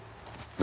何？